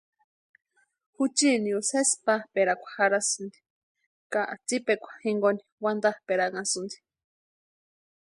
Juchinio sesi pápʼerakwa jarhasïnti ka tsipekwa jonkoni wantapʼeranhasïnti.